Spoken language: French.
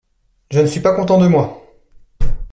Je ne suis pas content de moi.